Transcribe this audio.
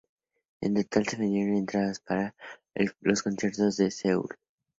En total se vendieron entradas para los conciertos en Seúl.